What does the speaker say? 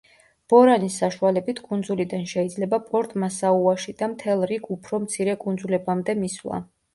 ბორანის საშუალებით კუნძულიდან შეიძლება პორტ მასაუაში და მთელ რიგ უფრო მცირე კუნძულებამდე მისვლა.